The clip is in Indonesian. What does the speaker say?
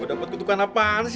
gua dapet kutukan apaan sih